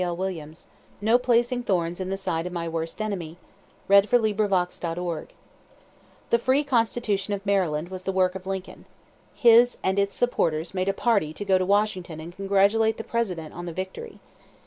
"NO PLACING THORNS IN THE SIDE OF MY WORST ENEMY!" The Free Constitution of Maryland was the work of Lincoln. His and its supporters made a party to go to Washington and congratulate the President on the victory.